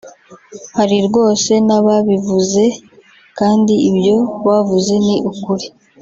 hari rwose n’ababivuze kandi ibyo bavuze ni ukuri